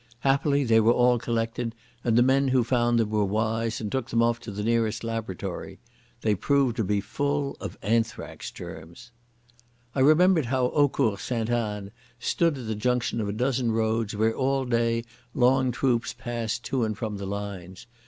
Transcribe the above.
Happily they were all collected, and the men who found them were wise and took them off to the nearest laboratory. They proved to be full of anthrax germs.... I remembered how Eaucourt Sainte Anne stood at the junction of a dozen roads where all day long troops passed to and from the lines.